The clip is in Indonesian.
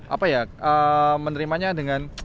apa ya menerimanya dengan